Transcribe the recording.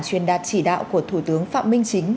truyền đạt chỉ đạo của thủ tướng phạm minh chính